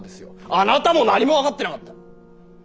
あなたも何も分かってなかった。